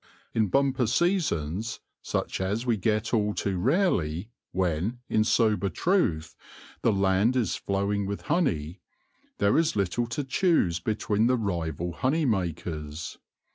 In bumper seasons, such as we get all too rarely, when, in sober truth, the land is flowing with honey, there is little to choose between the rival honey makers.